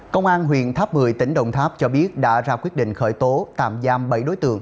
công an huyện tháp một mươi tỉnh đồng tháp cho biết đã ra quyết định khởi tố tạm giam bảy đối tượng